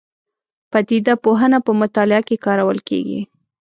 پدیده پوهنه په مطالعه کې کارول کېږي.